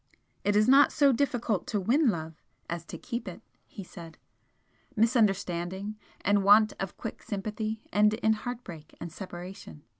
"It is not so difficult to win love as to keep it!" he said "Misunderstanding, and want of quick sympathy, end in heart break and separation.